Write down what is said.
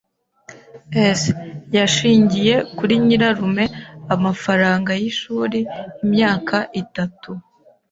[S] Yashingiye kuri nyirarume amafaranga yishuri imyaka itatu.